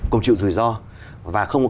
cùng chịu rủi ro và không có